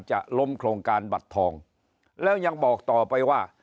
จะล้มโครงการบัตรทองแล้วยังบอกต่อไปว่า